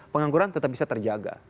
pengangguran tetap bisa terjaga